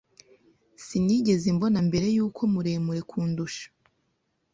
Sinigeze mbona mbere yuko muremure kundusha.